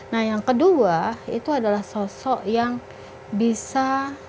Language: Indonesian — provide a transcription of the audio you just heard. nah yang kedua itu adalah sosok yang bisa